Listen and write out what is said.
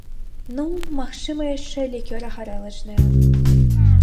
Ну, магчыма, яшчэ лікёра-гарэлачная.